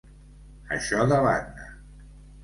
Això de banda.